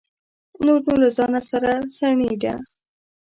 نور نو له ځانه سره سڼېده.